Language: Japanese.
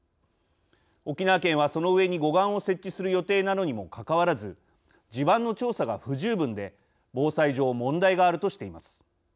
沖縄県はその上に護岸を設置する予定なのにもかかわらず地盤の調査が不十分で防災上問題があるとしています。